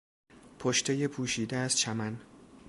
پشتهی پوشیده از چمن